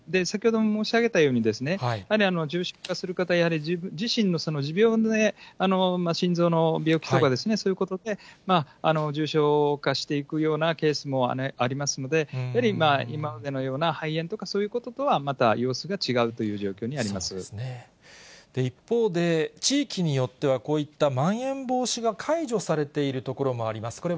先ほども申し上げたように、やはり重症化する方、自身の持病で、心臓の病気とかそういうことで重症化していくようなケースもありますので、やはり今までのような肺炎とかそういうこととはまた様子が違うと一方で、地域によってはこういったまん延防止が解除されている所もあります。